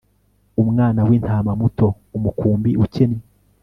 umwana w'intama muto, umukumbi ukennye